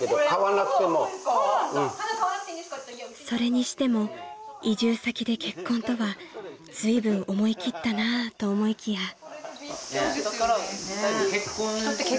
［それにしても移住先で結婚とはずいぶん思い切ったなと思いきや］